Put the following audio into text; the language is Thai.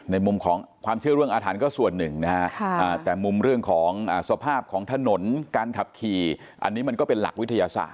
ในมุมของความเชื่อเรื่องอาถรรพ์ก็ส่วนหนึ่งนะฮะแต่มุมเรื่องของสภาพของถนนการขับขี่อันนี้มันก็เป็นหลักวิทยาศาส